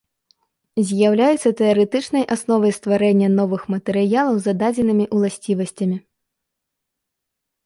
З'яўляецца тэарэтычнай асновай стварэння новых матэрыялаў з зададзенымі ўласцівасцямі.